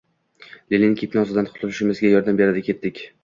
— Lenin gipnozidan qutulishimizga yordam beradi. Ketdik.